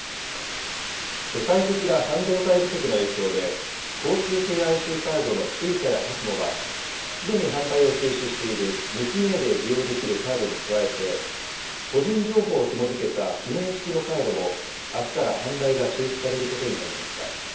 世界的な半導体不足の影響で、交通系ＩＣカードのＳｕｉｃａやＰＡＳＭＯは、すでに販売を中止している無記名で利用できるカードに加えて、個人情報をひも付けた記名式のカードも、あすから販売が中止されることになりました。